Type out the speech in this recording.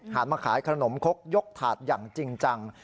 มาขายขนมคกยกถาดอย่างจริงจัง